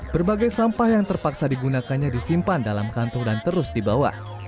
berbagai sampah yang terpaksa digunakannya disimpan dalam kantong dan terus dibawa